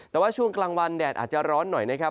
แต่ว่าช่วงกลางวันแดดอาจจะร้อนหน่อยนะครับ